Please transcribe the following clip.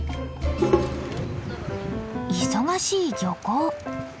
忙しい漁港。